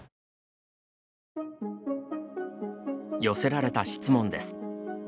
寄せられた質問です。